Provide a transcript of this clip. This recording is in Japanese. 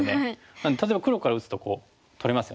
なので例えば黒から打つとこう取れますよね。